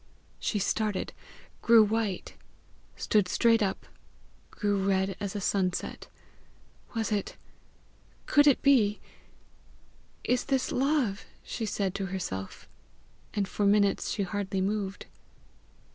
She started, grew white, stood straight up, grew red as a sunset: was it could it be? "Is this love?" she said to herself, and for minutes she hardly moved.